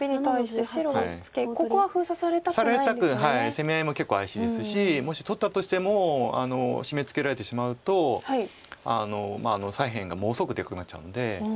攻め合いも結構怪しいですしもし取ったとしてもシメツケられてしまうと左辺がものすごくでかくなっちゃうんで。